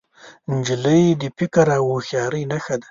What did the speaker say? نجلۍ د فکر او هوښیارۍ نښه ده.